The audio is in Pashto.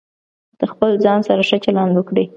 د خپل ځان سره ښه چلند وکړئ.